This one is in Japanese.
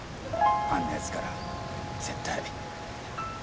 あんな奴から絶対。